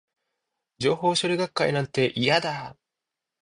情報処理学会なんて、嫌だー